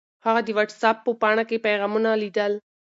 هغه د وټس اپ په پاڼه کې پیغامونه لیدل.